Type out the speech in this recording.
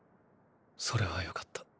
それはよかった。